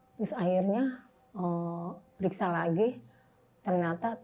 terus akhirnya periksa lagi ternyata tiga ratus dua puluh tiga